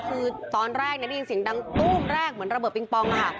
คือตอนแรกได้ยินเสียงดังตู้มแรกเหมือนระเบิดปิงปองค่ะ